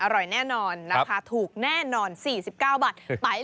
อร่อยแน่นอนราคาถูกแน่นอน๔๙บาท